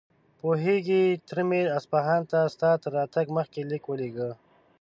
پوهېږې، تره مې اصفهان ته ستا تر راتګ مخکې ليک راولېږه.